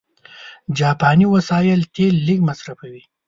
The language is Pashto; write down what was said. جاپاني وسایل تېل لږ مصرفوي.